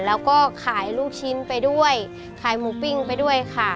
แล้วก็ขายลูกชิ้นไปด้วยขายหมูปิ้งไปด้วยค่ะ